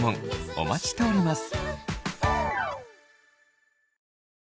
お待ちしております